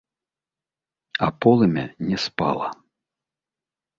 А полымя не спала.